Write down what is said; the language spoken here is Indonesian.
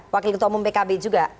wakil ketua umum pkb juga